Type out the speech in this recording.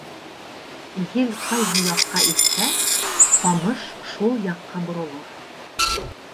Ел ҡайһы яҡҡа иҫһә, ҡамыш шул яҡҡа боролор.